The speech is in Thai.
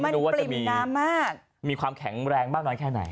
มันปริ่มน้ำมากมีความแข็งแรงมากน้อยแค่ไหน